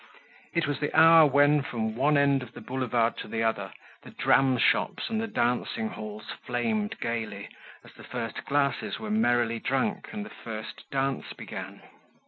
It was the hour when, from one end of the Boulevard to the other, the dram shops and the dancing halls flamed gayly as the first glasses were merrily drunk and the first dance began.